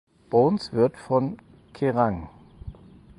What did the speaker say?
Bones wird von Kerrang!